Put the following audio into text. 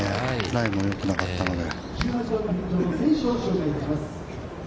ライもよくなかったので。